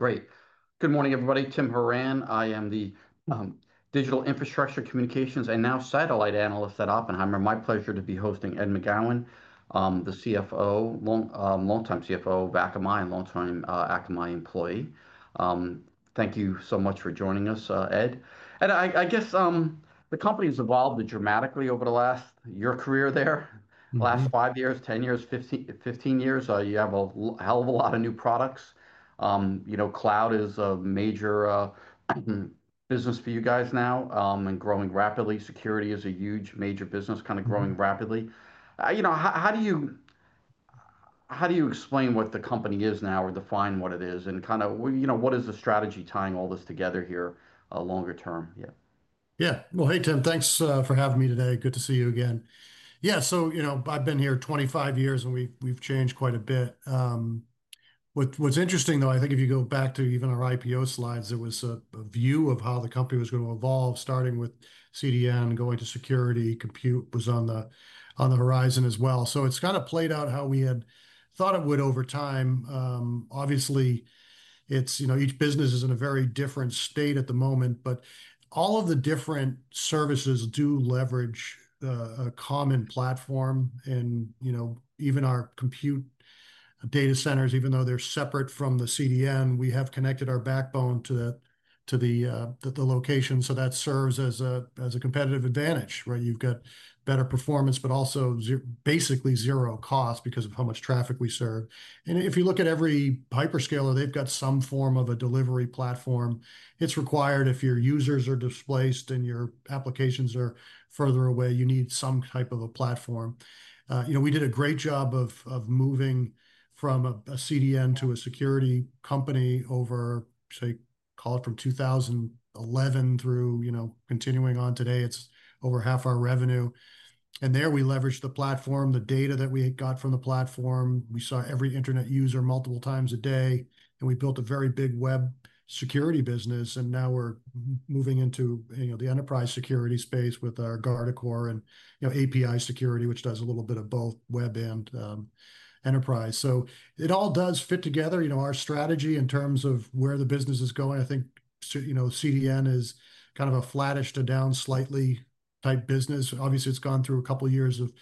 Great. Good morning, everybody. Tim Horan. I am the Digital Infrastructure Communications and now Satellite Analyst at Oppenheimer. My pleasure to be hosting Ed McGowan, the CFO, long-time CFO of Akamai, and long-time Akamai employee. Thank you so much for joining us, Ed. I guess the company has evolved dramatically over your career there. The last five years, 10 years, 15 years, you have a hell of a lot of new products. You know, cloud is a major business for you guys now, and growing rapidly. Security is a huge major business, kind of growing rapidly. You know, how do you explain what the company is now or define what it is and kind of, you know, what is the strategy tying all this together here longer term? Yeah. Yeah. Hey, Tim, thanks for having me today. Good to see you again. Yeah, you know, I've been here 25 years, and we've changed quite a bit. What's interesting, though, I think if you go back to even our IPO slides, there was a view of how the company was going to evolve, starting with CDN, going to security. Compute was on the horizon as well. It's kind of played out how we had thought it would over time. Obviously, each business is in a very different state at the moment, but all of the different services do leverage a common platform. Even our compute data centers, even though they're separate from the CDN, we have connected our backbone to the location. That serves as a competitive advantage, right? You've got better performance, but also basically zero cost because of how much traffic we serve. If you look at every hyperscaler, they've got some form of a delivery platform. It's required if your users are displaced and your applications are further away. You need some type of a platform. We did a great job of moving from a CDN to a security company over, say, call it from 2011 through, you know, continuing on today, it's over half our revenue. There we leveraged the platform, the data that we got from the platform. We saw every internet user multiple times a day, and we built a very big web security business. Now we're moving into the enterprise security space with our Guardicore and API Security, which does a little bit of both web and enterprise. It all does fit together. Our strategy in terms of where the business is going, I think, you know, CDN is kind of a flattish to down slightly type business. Obviously, it's gone through a couple of years of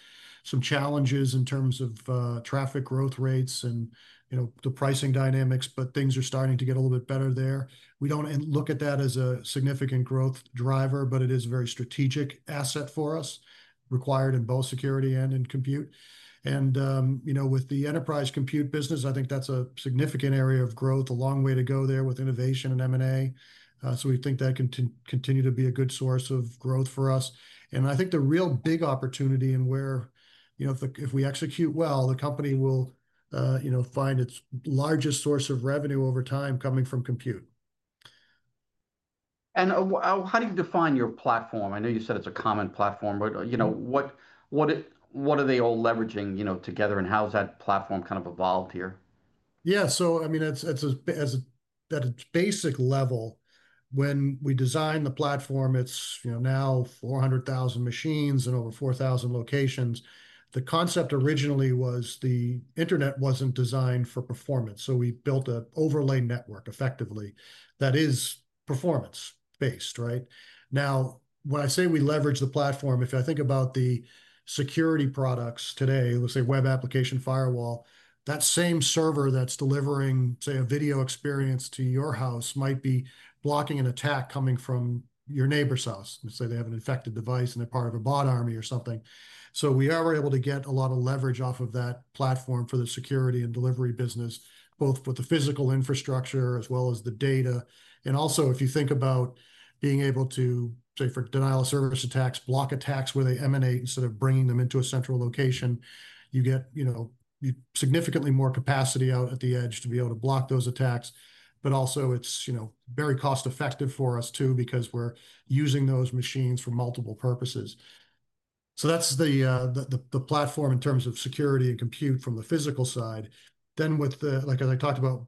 some challenges in terms of traffic growth rates and the pricing dynamics, but things are starting to get a little bit better there. We don't look at that as a significant growth driver, but it is a very strategic asset for us, required in both security and in compute. With the enterprise compute business, I think that's a significant area of growth, a long way to go there with innovation and M&A. We think that can continue to be a good source of growth for us. I think the real big opportunity and where, you know, if we execute well, the company will find its largest source of revenue over time coming from compute. How do you define your platform? I know you said it's a common platform, but what are they all leveraging together, and how's that platform kind of evolved here? Yeah, so I mean, at its basic level, when we designed the platform, it's now 400,000 machines in over 4,000 locations. The concept originally was the internet wasn't designed for performance. We built an overlay network effectively that is performance-based, right? Now, when I say we leverage the platform, if I think about the security products today, let's say web application firewall, that same server that's delivering, say, a video experience to your house might be blocking an attack coming from your neighbor's house. Let's say they have an infected device and they're part of a bot army or something. We are able to get a lot of leverage off of that platform for the security and delivery business, both with the physical infrastructure as well as the data. If you think about being able to, say, for denial of service attacks, block attacks where they emanate instead of bringing them into a central location, you get significantly more capacity out at the edge to be able to block those attacks. It's very cost-effective for us too, because we're using those machines for multiple purposes. That's the platform in terms of security and compute from the physical side. Then, like I talked about,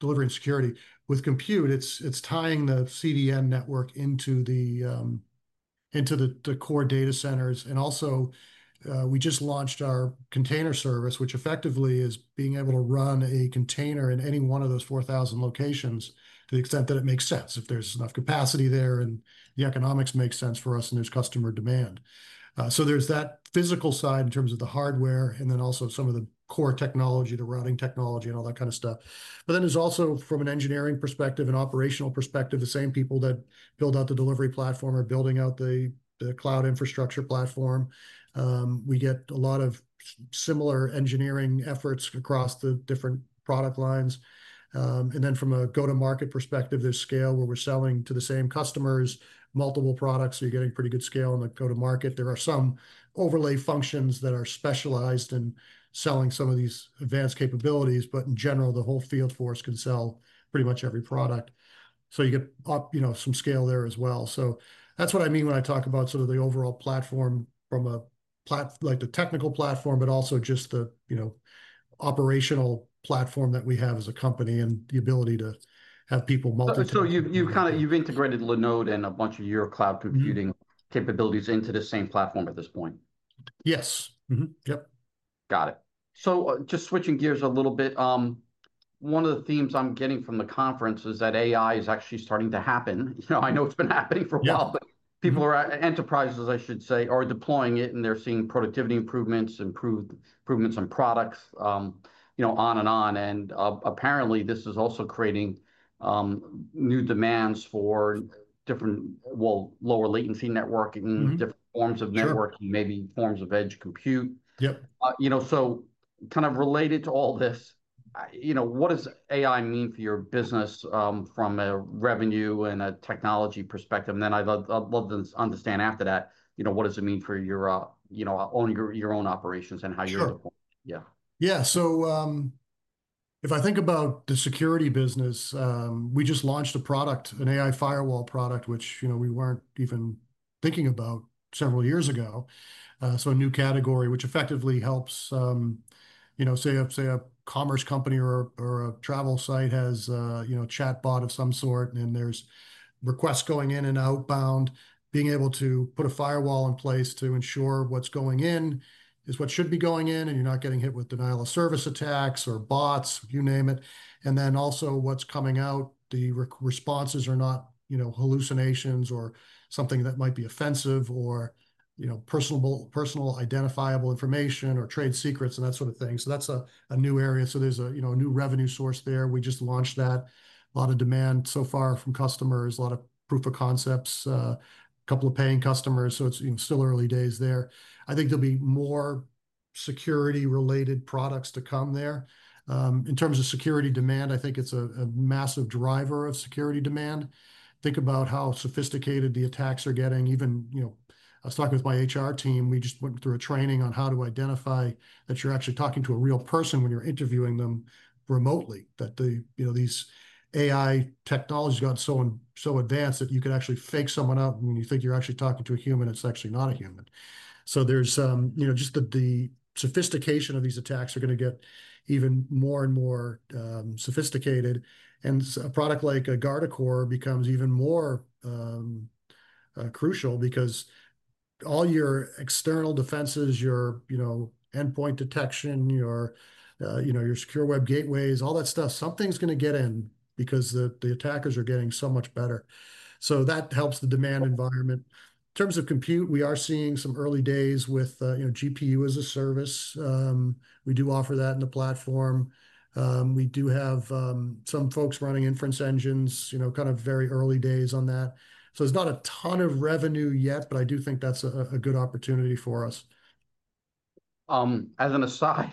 delivering security with compute, it's tying the CDN network into the core data centers. We just launched our container service, which effectively is being able to run a container in any one of those 4,000 locations to the extent that it makes sense, if there's enough capacity there and the economics make sense for us and there's customer demand. There's that physical side in terms of the hardware and then also some of the core technology, the routing technology and all that kind of stuff. From an engineering perspective and operational perspective, the same people that build out the delivery platform are building out the cloud infrastructure platform. We get a lot of similar engineering efforts across the different product lines. From a go-to-market perspective, there's scale where we're selling to the same customers multiple products. You're getting pretty good scale on the go-to-market. There are some overlay functions that are specialized in selling some of these advanced capabilities, but in general, the whole field force can sell pretty much every product. You get some scale there as well. That's what I mean when I talk about sort of the overall platform from a platform, like the technical platform, but also just the operational platform that we have as a company and the ability to have people. You've integrated Linode and a bunch of your cloud computing capabilities into the same platform at this point? Yes. Yep. Got it. Just switching gears a little bit, one of the themes I'm getting from the conference is that AI is actually starting to happen. You know, I know it's been happening for a while, but people at enterprises, I should say, are deploying it and they're seeing productivity improvements, improvements on products, you know, on and on. Apparently, this is also creating new demands for different, lower latency networking, different forms of networking, maybe forms of edge compute. Yep. Kind of related to all this, what does AI mean for your business from a revenue and a technology perspective? I'd love to understand after that, what does it mean for your own operations and how you're deploying? Yeah. Yeah. If I think about the security business, we just launched a product, an AI Firewall product, which, you know, we weren't even thinking about several years ago. A new category, which effectively helps, you know, say a commerce company or a travel site has, you know, a chatbot of some sort and there's requests going in and outbound, being able to put a firewall in place to ensure what's going in is what should be going in and you're not getting hit with denial of service attacks or bots, you name it. Also, what's coming out, the responses are not, you know, hallucinations or something that might be offensive or, you know, personal identifiable information or trade secrets and that sort of thing. That's a new area. There's a new revenue source there. We just launched that. A lot of demand so far from customers, a lot of proof of concepts, a couple of paying customers. It's still early days there. I think there'll be more security-related products to come there. In terms of security demand, I think it's a massive driver of security demand. Think about how sophisticated the attacks are getting. Even, you know, I was talking with my HR team. We just went through a training on how to identify that you're actually talking to a real person when you're interviewing them remotely. These AI technologies got so advanced that you could actually fake someone out. When you think you're actually talking to a human, it's actually not a human. The sophistication of these attacks is going to get even more and more sophisticated. A product like Guardicore becomes even more crucial because all your external defenses, your endpoint detection, your secure web gateways, all that stuff, something's going to get in because the attackers are getting so much better. That helps the demand environment. In terms of compute, we are seeing some early days with GPU as a service. We do offer that in the platform. We do have some folks running inference engines, kind of very early days on that. There's not a ton of revenue yet, but I do think that's a good opportunity for us. As an aside,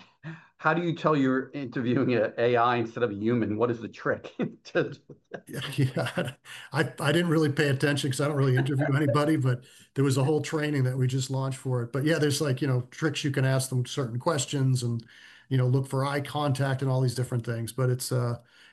how do you tell you're interviewing an AI instead of a human? What is the trick? Yeah, I didn't really pay attention because I don't really interview anybody, but there was a whole training that we just launched for it. There's like, you know, tricks you can ask them certain questions and, you know, look for eye contact and all these different things. It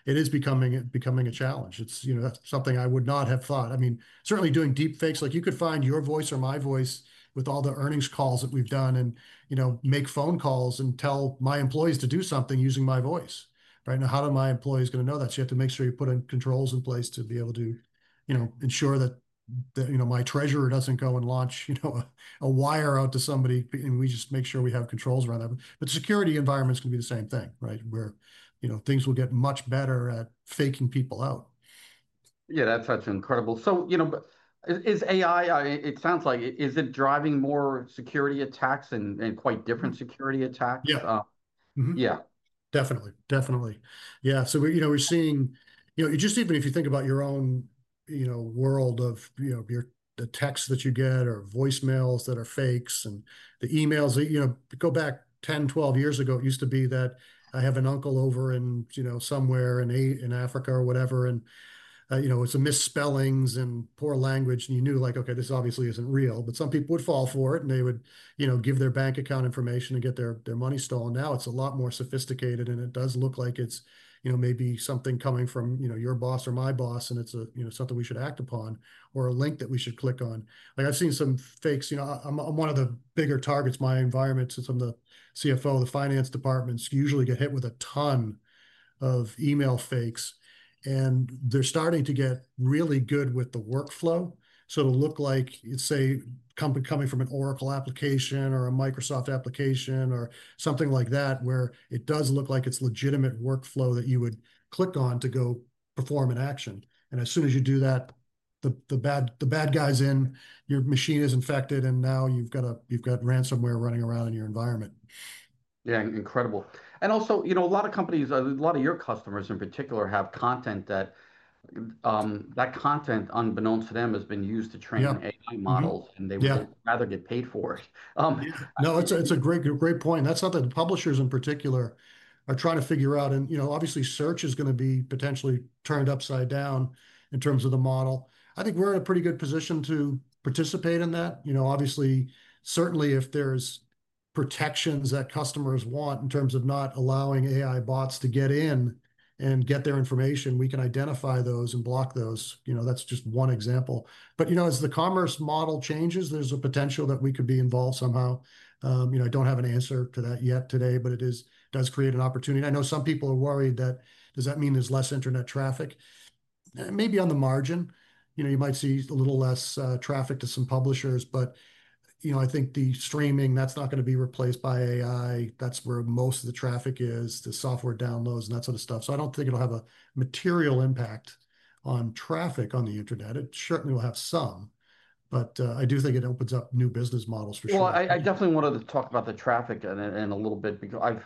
is becoming a challenge. That's something I would not have thought. I mean, certainly doing deep fakes, like you could find your voice or my voice with all the earnings calls that we've done and, you know, make phone calls and tell my employees to do something using my voice. Right now, how are my employees going to know that? You have to make sure you put in controls in place to be able to, you know, ensure that, you know, my treasurer doesn't go and launch, you know, a wire out to somebody and we just make sure we have controls around that. The security environment is going to be the same thing, right? Where, you know, things will get much better at faking people out. Yeah, that's incredible. You know, is AI, it sounds like, is it driving more security attacks and quite different security attacks? Yeah. Yeah. Definitely. Yeah. We're seeing, you know, even if you think about your own world of the texts that you get or voicemails that are fakes and the emails that, you know, go back 10-12 years ago, it used to be that I have an uncle over in, you know, somewhere in Africa or whatever. It's a misspelling and poor language. You knew like, okay, this obviously isn't real, but some people would fall for it and they would give their bank account information and get their money stolen. Now it's a lot more sophisticated and it does look like it's maybe something coming from your boss or my boss and it's something we should act upon or a link that we should click on. I've seen some fakes. I'm one of the bigger targets. My environment, since I'm the CFO, the finance departments usually get hit with a ton of email fakes and they're starting to get really good with the workflow. It'll look like, say, a company coming from an Oracle application or a Microsoft application or something like that, where it does look like it's legitimate workflow that you would click on to go perform an action. As soon as you do that, the bad guy's in, your machine is infected and now you've got ransomware running around in your environment. Incredible. You know, a lot of companies, a lot of your customers in particular have content that, that content unbeknownst to them has been used to train AI models and they would rather get paid for it. No, it's a great point. That's something the publishers in particular are trying to figure out. Obviously, search is going to be potentially turned upside down in terms of the model. I think we're in a pretty good position to participate in that. Obviously, certainly if there's protections that customers want in terms of not allowing AI bots to get in and get their information, we can identify those and block those. That's just one example. As the commerce model changes, there's a potential that we could be involved somehow. I don't have an answer to that yet today, but it does create an opportunity. I know some people are worried that, does that mean there's less internet traffic? Maybe on the margin, you might see a little less traffic to some publishers, but I think the streaming, that's not going to be replaced by AI. That's where most of the traffic is, the software downloads and that sort of stuff. I don't think it'll have a material impact on traffic on the internet. It certainly will have some, but I do think it opens up new business models for sure. I definitely wanted to talk about the traffic in a little bit because I've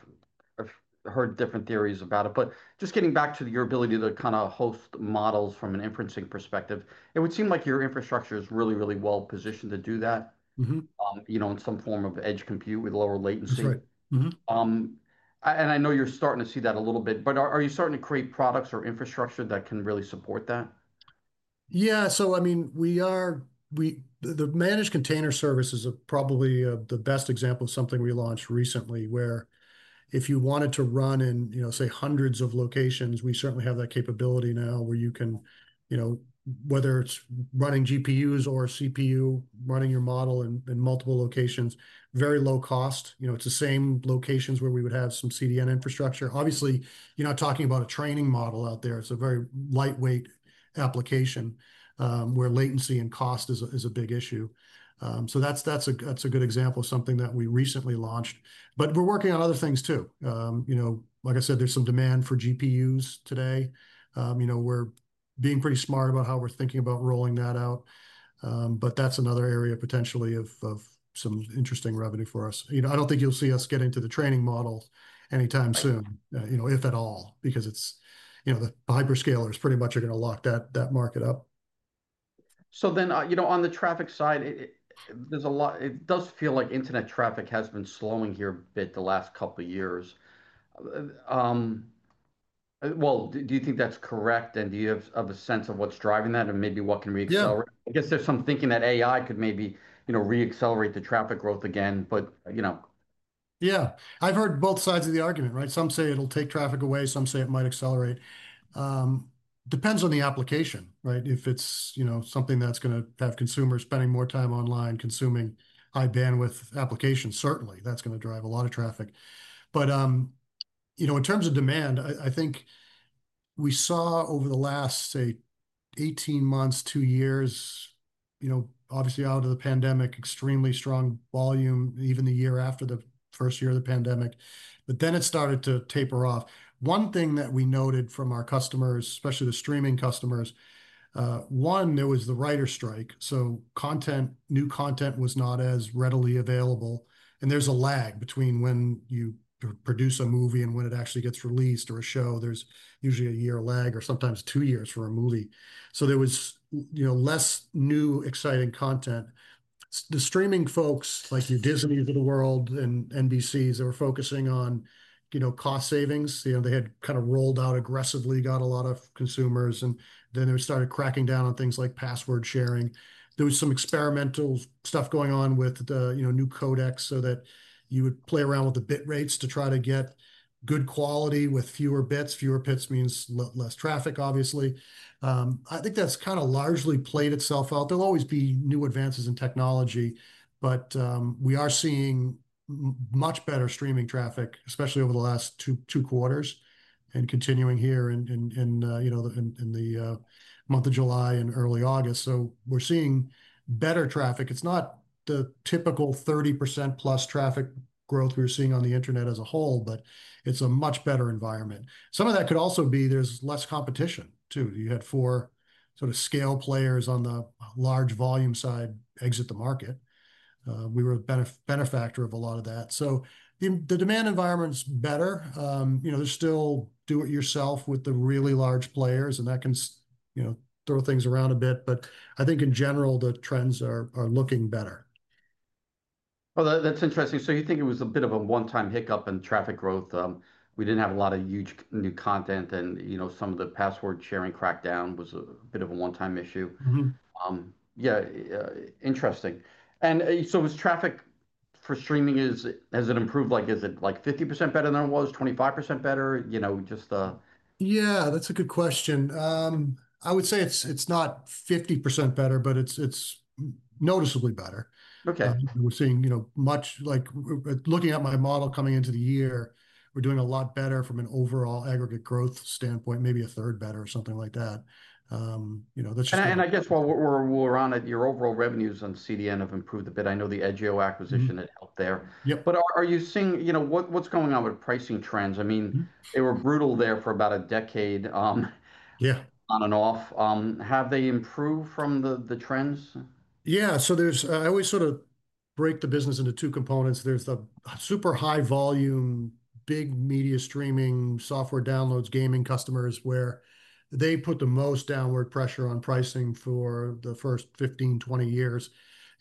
heard different theories about it. Just getting back to your ability to kind of host models from an inferencing perspective, it would seem like your infrastructure is really, really well positioned to do that, you know, in some form of edge compute with lower latency. I know you're starting to see that a little bit, but are you starting to create products or infrastructure that can really support that? Yeah, I mean, we are, the managed container services are probably the best example of something we launched recently where if you wanted to run in, you know, say hundreds of locations, we certainly have that capability now where you can, you know, whether it's running GPUs or CPU, running your model in multiple locations, very low cost. It's the same locations where we would have some CDN infrastructure. Obviously, you're not talking about a training model out there. It's a very lightweight application where latency and cost is a big issue. That's a good example of something that we recently launched. We're working on other things too. Like I said, there's some demand for GPUs today. We're being pretty smart about how we're thinking about rolling that out. That's another area potentially of some interesting revenue for us. I don't think you'll see us get into the training models anytime soon, if at all, because the hyperscalers pretty much are going to lock that market up. On the traffic side, it does feel like internet traffic has been slowing here a bit the last couple of years. Do you think that's correct? Do you have a sense of what's driving that and maybe what can reaccelerate? I guess there's some thinking that AI could maybe reaccelerate the traffic growth again. Yeah, I've heard both sides of the argument, right? Some say it'll take traffic away. Some say it might accelerate. Depends on the application, right? If it's, you know, something that's going to have consumers spending more time online, consuming high bandwidth applications, certainly that's going to drive a lot of traffic. In terms of demand, I think we saw over the last, say, 18 months, two years, obviously out of the pandemic, extremely strong volume, even the year after the first year of the pandemic. Then it started to taper off. One thing that we noted from our customers, especially the streaming customers, one, there was the writer's strike. Content, new content was not as readily available. There's a lag between when you produce a movie and when it actually gets released or a show. There's usually a year lag or sometimes two years for a movie. There was less new exciting content. The streaming folks, like the Disneys of the world and NBCs, they were focusing on cost savings. They had kind of rolled out aggressively, got a lot of consumers, and then they started cracking down on things like password sharing. There was some experimental stuff going on with the new codecs so that you would play around with the bit rates to try to get good quality with fewer bits. Fewer bits means less traffic, obviously. I think that's kind of largely played itself out. There'll always be new advances in technology, but we are seeing much better streaming traffic, especially over the last two quarters and continuing here in the month of July and early August. We're seeing better traffic. It's not the typical 30%+ traffic growth we're seeing on the internet as a whole, but it's a much better environment. Some of that could also be there's less competition too. You had four sort of scale players on the large volume side exit the market. We were a benefactor of a lot of that. The demand environment's better. There's still do-it-yourself with the really large players and that can throw things around a bit, but I think in general the trends are looking better. Oh, that's interesting. You think it was a bit of a one-time hiccup in traffic growth. We didn't have a lot of huge new content, and some of the password sharing crackdown was a bit of a one-time issue. Interesting. Was traffic for streaming, has it improved? Is it like 50% better than it was, 25% better? Just the. Yeah, that's a good question. I would say it's not 50% better, but it's noticeably better. Okay. We're seeing, much like looking at my model coming into the year, we're doing a lot better from an overall aggregate growth standpoint, maybe a third better or something like that. While we're on it, your overall revenues on CDN have improved a bit. I know the Edgio acquisition helped there. Yep. Are you seeing, you know, what's going on with pricing trends? I mean, they were brutal there for about a decade. Yeah. On and off, have they improved from the trends? Yeah, so I always sort of break the business into two components. There's the super high volume, big media streaming, software downloads, gaming customers where they put the most downward pressure on pricing for the first 15, 20 years.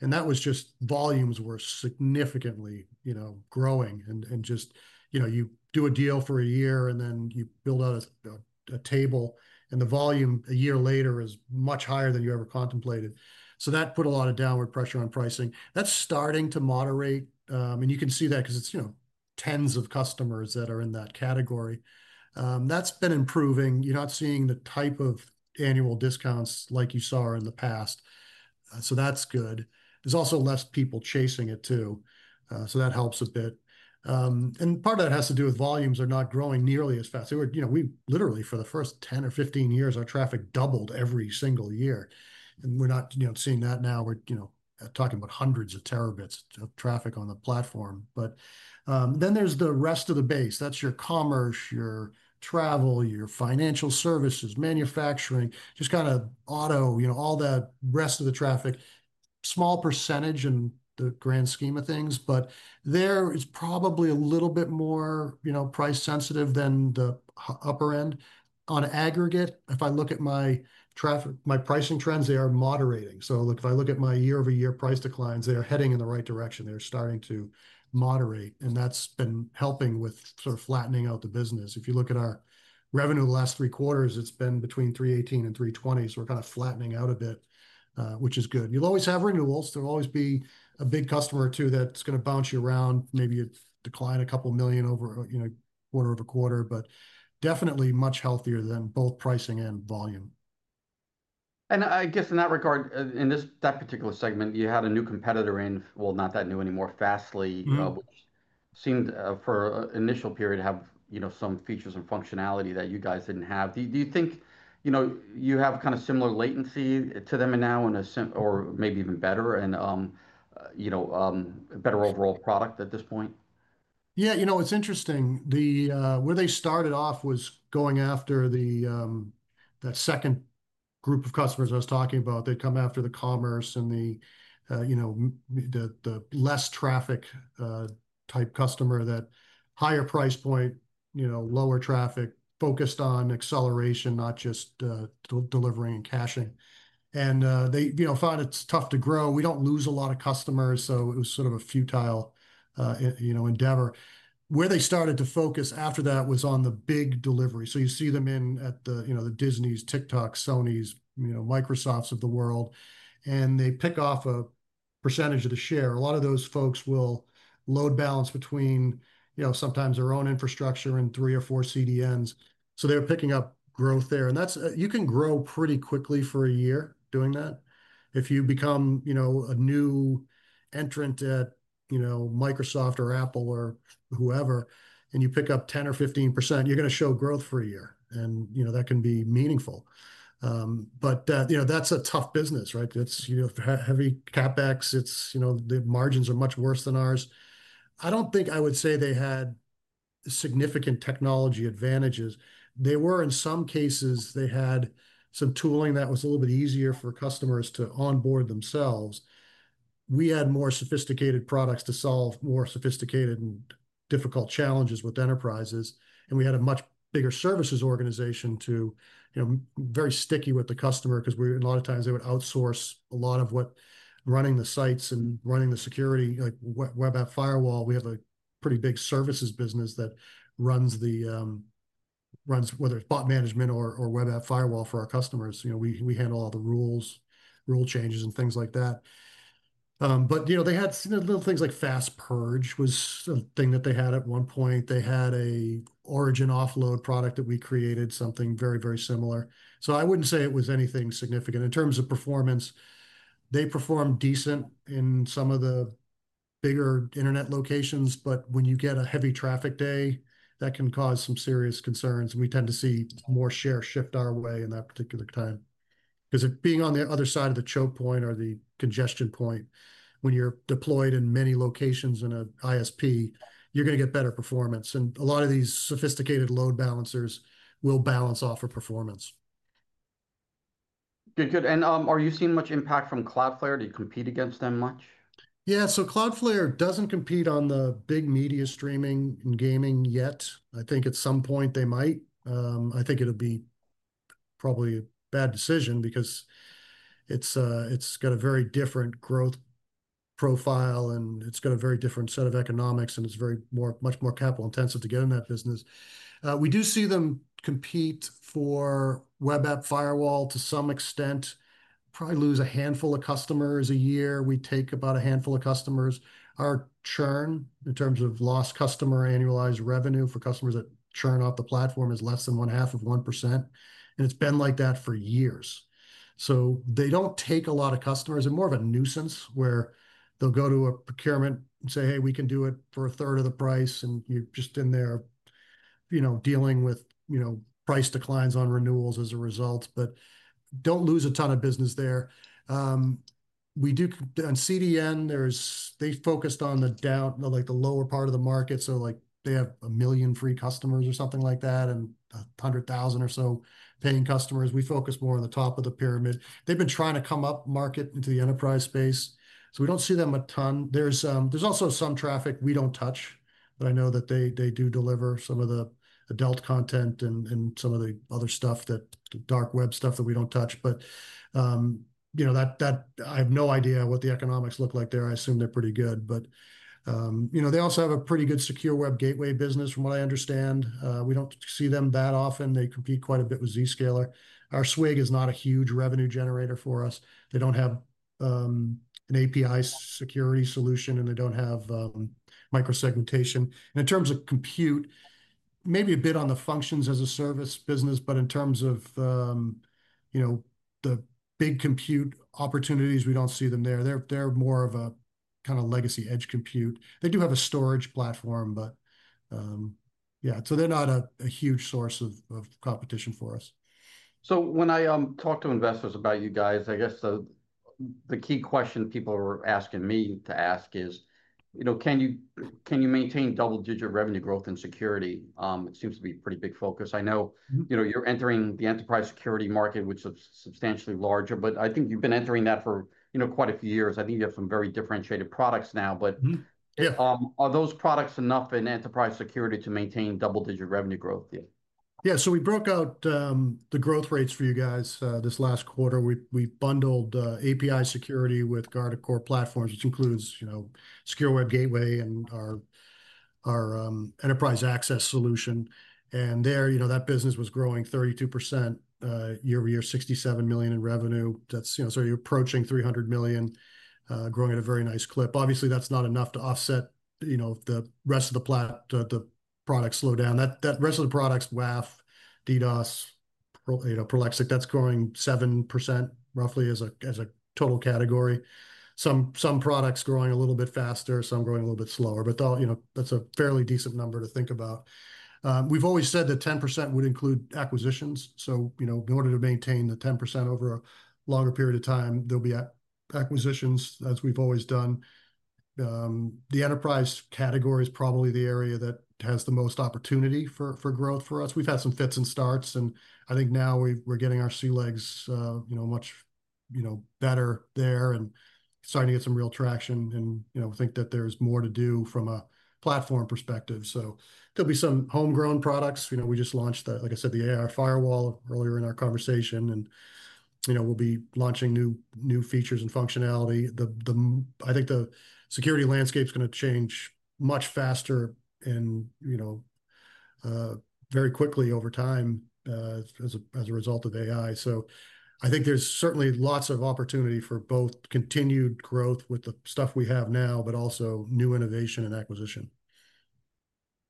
That was just volumes were significantly, you know, growing and just, you know, you do a deal for a year and then you build out a table and the volume a year later is much higher than you ever contemplated. That put a lot of downward pressure on pricing. That's starting to moderate. I mean, you can see that because it's, you know, tens of customers that are in that category. That's been improving. You're not seeing the type of annual discounts like you saw in the past. That's good. There's also less people chasing it too. That helps a bit. Part of that has to do with volumes are not growing nearly as fast. You know, we literally, for the first 10 or 15 years, our traffic doubled every single year. We're not, you know, seeing that now. We're, you know, talking about hundreds of terabits of traffic on the platform. Then there's the rest of the base. That's your commerce, your travel, your financial services, manufacturing, just kind of auto, you know, all that rest of the traffic, small percentage in the grand scheme of things. There is probably a little bit more, you know, price sensitive than the upper end. On aggregate, if I look at my traffic, my pricing trends, they are moderating. If I look at my year-over-year price declines, they are heading in the right direction. They're starting to moderate. That's been helping with sort of flattening out the business. If you look at our revenue in the last three quarters, it's been between $318 million and $320 million. We're kind of flattening out a bit, which is good. You'll always have renewals. There'll always be a big customer or two that's going to bounce you around. Maybe you decline a couple million over, you know, quarter-over-quarter, but definitely much healthier than both pricing and volume. In this particular segment, you had a new competitor in, not that new anymore, Fastly, which seemed for an initial period to have some features and functionality that you guys didn't have. Do you think you have kind of similar latency to them now in a sense, or maybe even better and a better overall product at this point? Yeah, you know, it's interesting. Where they started off was going after that second group of customers I was talking about. They'd come after the commerce and the, you know, the less traffic type customer, that higher price point, you know, lower traffic, focused on acceleration, not just delivering and caching. They found it's tough to grow. We don't lose a lot of customers. It was sort of a futile endeavor. Where they started to focus after that was on the big delivery. You see them in at the, you know, the Disneys, TikTok, Sonys, Microsofts of the world. They pick off a percentage of the share. A lot of those folks will load balance between, you know, sometimes their own infrastructure and three or four CDNs. They're picking up growth there. You can grow pretty quickly for a year doing that. If you become, you know, a new entrant at, you know, Microsoft or Apple or whoever, and you pick up 10% or 15%, you're going to show growth for a year. That can be meaningful. You know, that's a tough business, right? It's heavy CapEx. The margins are much worse than ours. I don't think I would say they had significant technology advantages. In some cases, they had some tooling that was a little bit easier for customers to onboard themselves. We had more sophisticated products to solve more sophisticated and difficult challenges with enterprises. We had a much bigger services organization, very sticky with the customer because a lot of times they would outsource a lot of what running the sites and running the security, like web app firewall. We have a pretty big services business that runs whether it's bot management or web app firewall for our customers. We handle all the rules, rule changes, and things like that. They had little things like Fast Purge was a thing that they had at one point. They had an origin offload product that we created, something very, very similar. I wouldn't say it was anything significant. In terms of performance, they performed decent in some of the bigger internet locations, but when you get a heavy traffic day, that can cause some serious concerns. We tend to see more share shift our way in that particular time. Being on the other side of the choke point or the congestion point, when you're deployed in many locations in an ISP, you're going to get better performance. A lot of these sophisticated load balancers will balance off for performance. Good, good. Are you seeing much impact from Cloudflare? Do you compete against them much? Yeah, so Cloudflare doesn't compete on the big media streaming and gaming yet. I think at some point they might. I think it'll be probably a bad decision because it's got a very different growth profile, and it's got a very different set of economics, and it's very much more capital intensive to get in that business. We do see them compete for web app firewall to some extent, probably lose a handful of customers a year. We take about a handful of customers. Our churn in terms of lost customer annualized revenue for customers that churn off the platform is less than 0.5%. It's been like that for years. They don't take a lot of customers. They're more of a nuisance where they'll go to a procurement and say, "Hey, we can do it for a third of the price." You're just in there dealing with price declines on renewals as a result, but don't lose a ton of business there. On CDN, they focused on the down, like the lower part of the market. They have a million free customers or something like that and 100,000 or so paying customers. We focus more on the top of the pyramid. They've been trying to come up market into the enterprise space. We don't see them a ton. There's also some traffic we don't touch, but I know that they do deliver some of the adult content and some of the other stuff, the dark web stuff that we don't touch. I have no idea what the economics look like there. I assume they're pretty good. They also have a pretty good secure web gateway business from what I understand. We don't see them that often. They compete quite a bit with Zscaler. Our SWG is not a huge revenue generator for us. They don't have an API Security solution, and they don't have micro-segmentation. In terms of compute, maybe a bit on the functions as a service business, but in terms of the big compute opportunities, we don't see them there. They're more of a kind of legacy edge compute. They do have a storage platform, but they're not a huge source of competition for us. When I talk to investors about you guys, I guess the key question people are asking me to ask is, you know, can you maintain double-digit revenue growth in security? It seems to be a pretty big focus. I know you're entering the enterprise security market, which is substantially larger, but I think you've been entering that for quite a few years. I think you have some very differentiated products now, but yeah, are those products enough in enterprise security to maintain double-digit revenue growth? Yeah, so we broke out the growth rates for you guys this last quarter. We bundled API Security with Guardicore platforms, which includes, you know, secure web gateway and our enterprise access solution. There, you know, that business was growing 32% year-over-year, $67 million in revenue. That's, you know, so you're approaching $300 million, growing at a very nice clip. Obviously, that's not enough to offset, you know, the rest of the products slowdown. That rest of the products, WAF, DDoS, you know, Prolexic, that's growing 7% roughly as a total category. Some products growing a little bit faster, some growing a little bit slower, but that's a fairly decent number to think about. We've always said that 10% would include acquisitions. In order to maintain the 10% over a longer period of time, there'll be acquisitions, as we've always done. The enterprise category is probably the area that has the most opportunity for growth for us. We've had some fits and starts, and I think now we're getting our sea legs, you know, much, you know, better there and starting to get some real traction. I think that there's more to do from a platform perspective. There'll be some homegrown products. We just launched the, like I said, the AI Firewall earlier in our conversation, and we'll be launching new features and functionality. I think the security landscape is going to change much faster and, you know, very quickly over time as a result of AI. I think there's certainly lots of opportunity for both continued growth with the stuff we have now, but also new innovation and acquisition.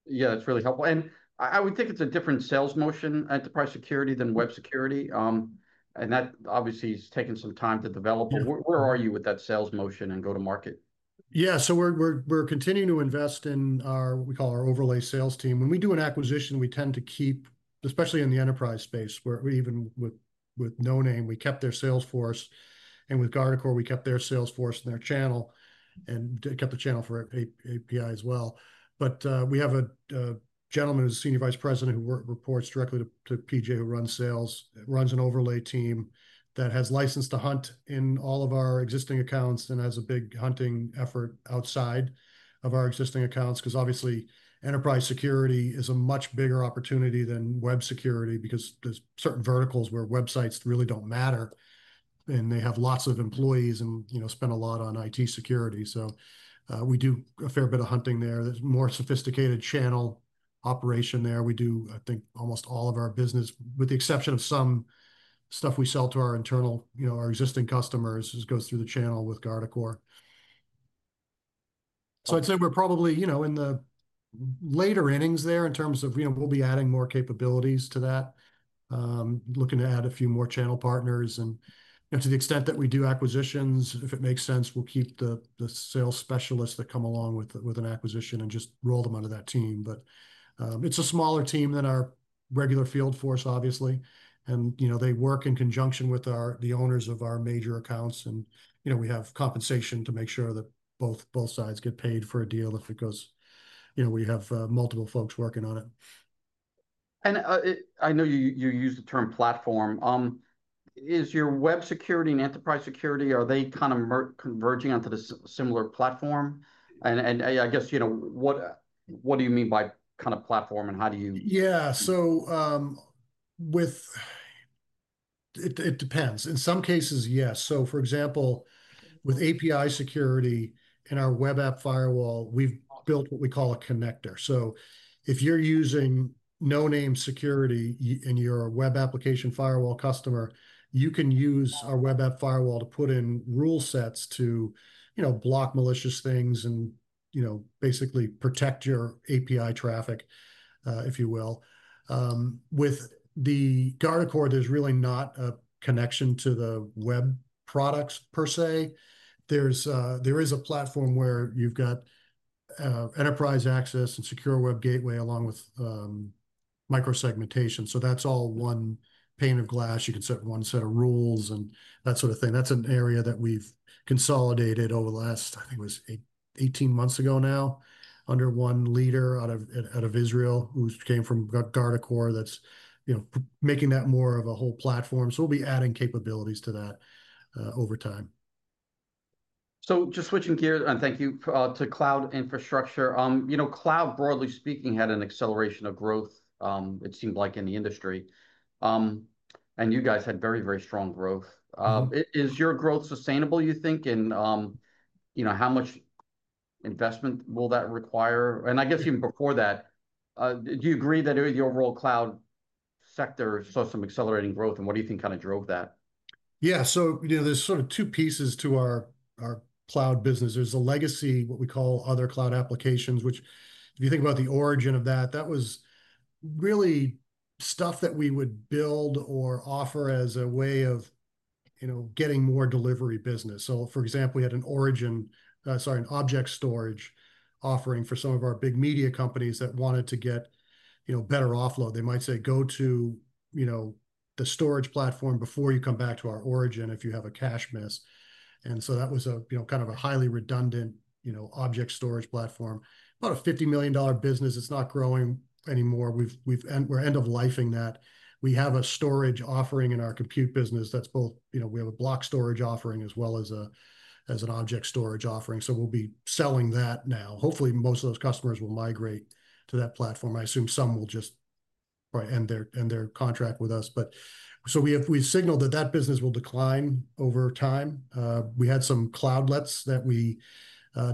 Yeah, that's really helpful. I would think it's a different sales motion, enterprise security than web security. That obviously has taken some time to develop. Where are you with that sales motion and go-to-market? Yeah, so we're continuing to invest in our, what we call our overlay sales team. When we do an acquisition, we tend to keep, especially in the enterprise space, where even with Noname, we kept their sales force. With Guardicore, we kept their sales force and their channel, and they kept the channel for API as well. We have a gentleman who's a Senior Vice President who reports directly to PJ, who runs sales, runs an overlay team that has license to hunt in all of our existing accounts and has a big hunting effort outside of our existing accounts. Obviously, enterprise security is a much bigger opportunity than web security because there's certain verticals where websites really don't matter. They have lots of employees and spend a lot on IT security. We do a fair bit of hunting there. There's more sophisticated channel operation there. I think almost all of our business, with the exception of some stuff we sell to our internal, our existing customers, goes through the channel with Guardicore. I'd say we're probably in the later innings there in terms of, we'll be adding more capabilities to that, looking to add a few more channel partners. To the extent that we do acquisitions, if it makes sense, we'll keep the sales specialists that come along with an acquisition and just roll them under that team. It's a smaller team than our regular field force, obviously. They work in conjunction with the owners of our major accounts. We have compensation to make sure that both sides get paid for a deal if it goes, you know, we have multiple folks working on it. I know you use the term platform. Is your web security and enterprise security, are they kind of converging onto the similar platform? I guess, you know, what do you mean by kind of platform and how do you? Yeah, so it depends. In some cases, yes. For example, with API Security and our web app firewall, we've built what we call a connector. If you're using Noname Security and you're a web application firewall customer, you can use our web app firewall to put in rule sets to block malicious things and basically protect your API traffic, if you will. With the Guardicore, there's really not a connection to the web products per se. There is a platform where you've got enterprise access and secure web gateway along with micro-segmentation. That's all one pane of glass. You can set one set of rules and that sort of thing. That's an area that we've consolidated over the last, I think it was 18 months ago now, under one leader out of Israel who came from Guardicore that's making that more of a whole platform. We'll be adding capabilities to that over time. Thank you to cloud infrastructure. You know, cloud broadly speaking had an acceleration of growth, it seemed like in the industry. You guys had very, very strong growth. Is your growth sustainable, you think? How much investment will that require? I guess even before that, do you agree that the overall cloud sector saw some accelerating growth? What do you think kind of drove that? Yeah, so, you know, there's sort of two pieces to our cloud business. There's a legacy, what we call other cloud applications, which if you think about the origin of that, that was really stuff that we would build or offer as a way of, you know, getting more delivery business. For example, we had an origin, sorry, an object storage offering for some of our big media companies that wanted to get, you know, better offload. They might say go to, you know, the storage platform before you come back to our origin if you have a cache miss. That was a, you know, kind of a highly redundant, you know, object storage platform. About a $50 million business. It's not growing anymore. We're end of lifing that. We have a storage offering in our compute business that's both, you know, we have a block storage offering as well as an object storage offering. We'll be selling that now. Hopefully, most of those customers will migrate to that platform. I assume some will just probably end their contract with us. We have signaled that that business will decline over time. We had some Cloudlets that we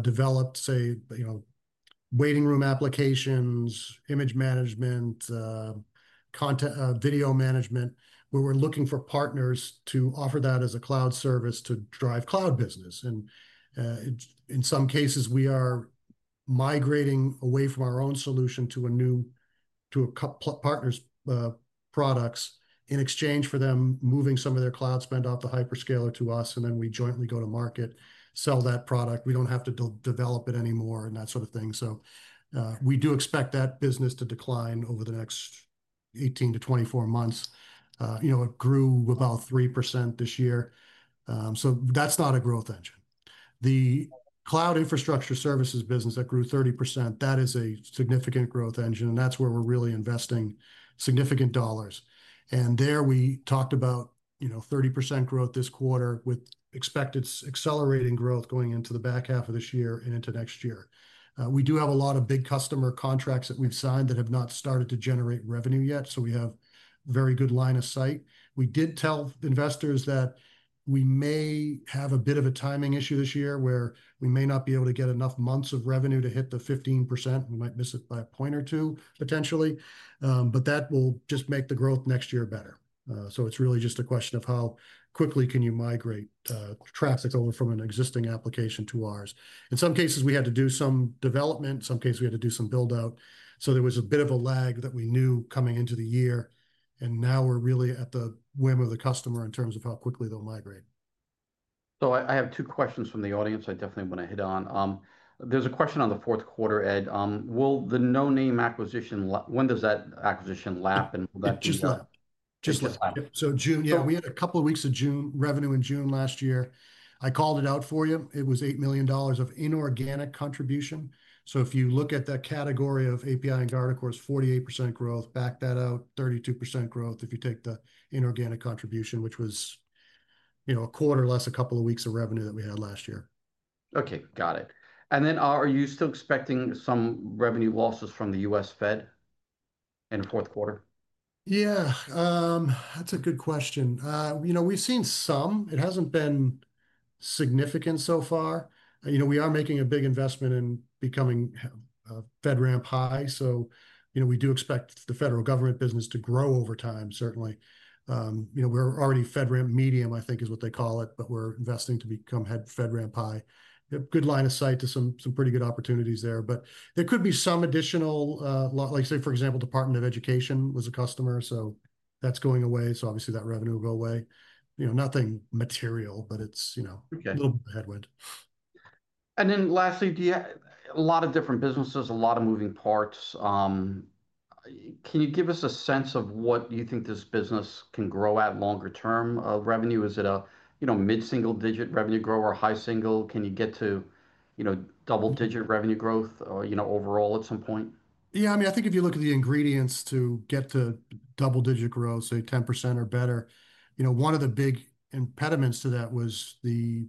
developed, say, waiting room applications, image management, video management, where we're looking for partners to offer that as a cloud service to drive cloud business. In some cases, we are migrating away from our own solution to a new, to a partner's products in exchange for them moving some of their cloud spend off the hyperscaler to us. We jointly go to market, sell that product. We don't have to develop it anymore and that sort of thing. We do expect that business to decline over the next 18 to 24 months. You know, it grew about 3% this year. That's not a growth engine. The cloud infrastructure services business that grew 30%, that is a significant growth engine. That's where we're really investing significant dollars. There we talked about, you know, 30% growth this quarter with expected accelerating growth going into the back half of this year and into next year. We do have a lot of big customer contracts that we've signed that have not started to generate revenue yet. We have a very good line of sight. We did tell investors that we may have a bit of a timing issue this year where we may not be able to get enough months of revenue to hit the 15%. We might miss it by a point or two potentially. That will just make the growth next year better. It is really just a question of how quickly you can migrate traffic over from an existing application to ours. In some cases, we had to do some development. In some cases, we had to do some build out. There was a bit of a lag that we knew coming into the year. Now we're really at the whim of the customer in terms of how quickly they'll migrate. I have two questions from the audience I definitely want to hit on. There's a question on the fourth quarter, Ed. Will the No Name acquisition, when does that acquisition lap and will that? Just lap. Just lap. In June, we had a couple of weeks of June revenue in June last year. I called it out for you. It was $8 million of inorganic contribution. If you look at that category of API Security and Guardicore on, it's 48% growth. Back that out, 32% growth if you take the inorganic contribution, which was a quarter less a couple of weeks of revenue that we had last year. Okay, got it. Are you still expecting some revenue losses from the U.S. Fed in the fourth quarter? Yeah, that's a good question. We've seen some. It hasn't been significant so far. We are making a big investment in becoming FedRAMP High. We do expect the federal government business to grow over time, certainly. We're already FedRAMP Medium, I think is what they call it, but we're investing to become FedRAMP High. Good line of sight to some pretty good opportunities there. There could be some additional, like say, for example, the Department of Education was a customer. That's going away. Obviously that revenue will go away. Nothing material, but it's a little bit of headwind. You have a lot of different businesses, a lot of moving parts. Can you give us a sense of what you think this business can grow at longer term of revenue? Is it a, you know, mid-single-digit revenue growth or high-single? Can you get to, you know, double-digit revenue growth, you know, overall at some point? Yeah, I mean, I think if you look at the ingredients to get to double-digit growth, say 10% or better, one of the big impediments to that was the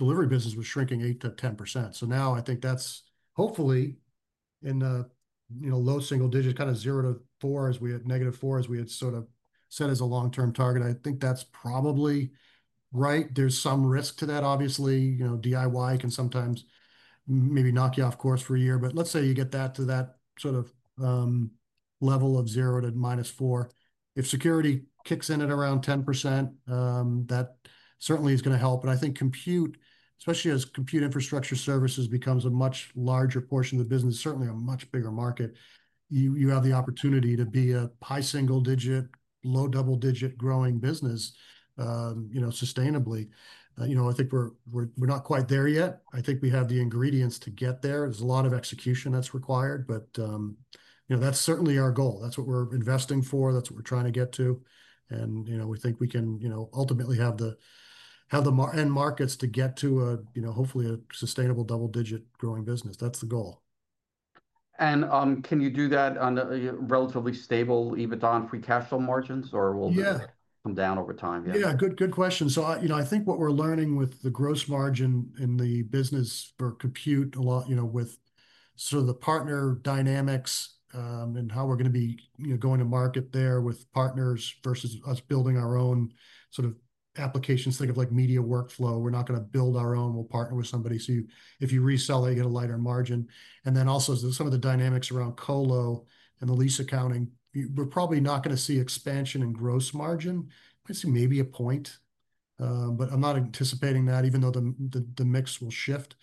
delivery business was shrinking 8%-10%. Now I think that's hopefully in the low single digit, kind of zero to 4%, as we had negative 4%, as we had sort of set as a long-term target. I think that's probably right. There's some risk to that, obviously. DIY can sometimes maybe knock you off course for a year, but let's say you get that to that sort of level of zero to minus 4%. If security kicks in at around 10%, that certainly is going to help. I think compute, especially as compute infrastructure services become a much larger portion of the business, certainly a much bigger market, you have the opportunity to be a high single digit, low double-digit growing business, sustainably. I think we're not quite there yet. I think we have the ingredients to get there. There's a lot of execution that's required, but that's certainly our goal. That's what we're investing for. That's what we're trying to get to. We think we can ultimately have the end markets to get to a, hopefully a sustainable double-digit growing business. That's the goal. Can you do that on a relatively stable EBITDA and free cash flow margins, or will that come down over time? Yeah, good question. I think what we're learning with the gross margin in the business for compute, with sort of the partner dynamics and how we're going to be going to market there with partners versus us building our own sort of applications. Think of like media workflow. We're not going to build our own. We'll partner with somebody. If you resell that, you get a lighter margin. Also, some of the dynamics around colo and the lease accounting, we're probably not going to see expansion in gross margin. I see maybe a point, but I'm not anticipating that, even though the mix will shift.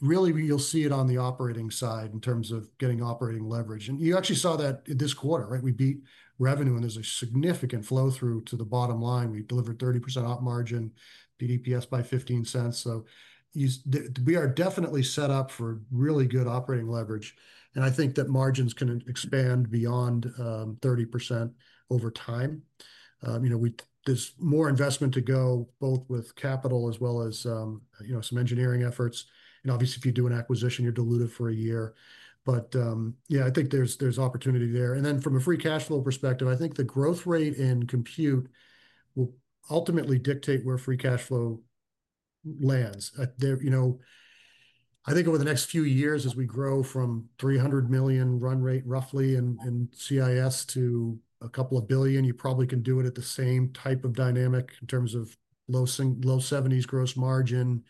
Really, you'll see it on the operating side in terms of getting operating leverage. You actually saw that this quarter, right? We beat revenue and there's a significant flow through to the bottom line. We delivered 30% op margin, DDPS by $0.15. We are definitely set up for really good operating leverage. I think that margins can expand beyond 30% over time. There's more investment to go both with capital as well as some engineering efforts. Obviously, if you do an acquisition, you're diluted for a year. I think there's opportunity there. From a free cash flow perspective, I think the growth rate in compute will ultimately dictate where free cash flow lands. I think over the next few years, as we grow from $300 million run rate roughly in CIS to a couple of billion, you probably can do it at the same type of dynamic in terms of low 70% gross margin,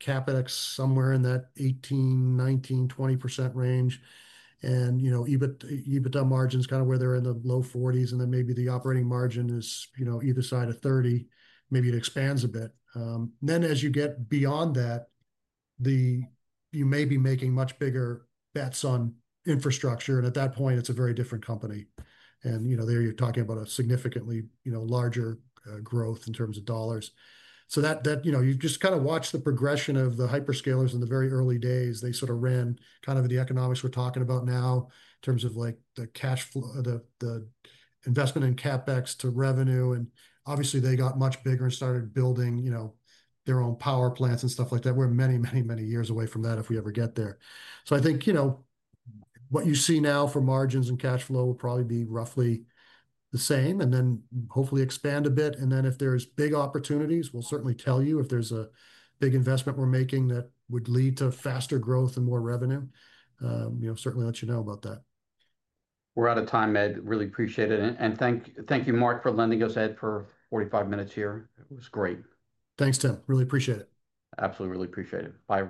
CapEx somewhere in that 18%, 19%, 20% range. EBITDA margin is kind of where they're in the low 40s. Maybe the operating margin is either side of 30%, maybe it expands a bit. As you get beyond that, you may be making much bigger bets on infrastructure. At that point, it's a very different company. There you're talking about a significantly larger growth in terms of dollars. You just kind of watch the progression of the hyperscalers in the very early days. They sort of ran kind of the economics we're talking about now in terms of the cash flow, the investment in CapEx to revenue. Obviously, they got much bigger and started building their own power plants and stuff like that. We're many, many, many years away from that if we ever get there. I think what you see now for margins and cash flow will probably be roughly the same, and then hopefully expand a bit. If there's big opportunities, we'll certainly tell you if there's a big investment we're making that would lead to faster growth and more revenue. We'll certainly let you know about that. We're out of time, Ed. Really appreciate it. Thank you, Mark, for lending us Ed for 45 minutes here. It was great. Thanks, Tim. Really appreciate it. Absolutely, really appreciate it. Bye.